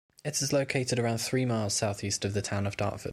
It is located around three miles southeast of the town of Dartford.